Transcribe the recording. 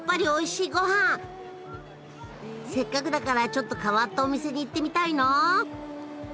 せっかくだからちょっと変わったお店に行ってみたいな。